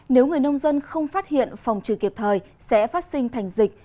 nếu người nông dân không phát hiện phòng trừ kịp thời sẽ phát sinh thành dịch